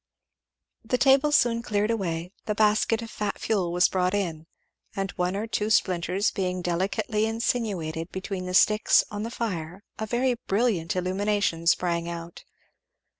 The table soon cleared away, the basket of fat fuel was brought in; and one or two splinters being delicately insinuated between the sticks on the fire a very brilliant illumination sprang out.